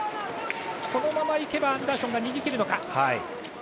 このままいけばアンダーションが逃げ切れるか。